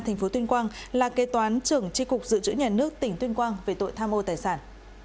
thành phố tuyên quang là kê toán trưởng tri cục dự trữ nhà nước tỉnh tuyên quang về tội tham ô tài sản